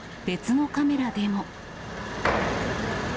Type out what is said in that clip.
別のカメラでも。